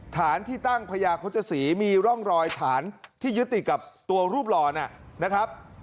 ฐานที่ตั้งพญาโฆษศรีมีร่องรอยฐานที่ยึดติดกับตัวรูปหล่อนะครับ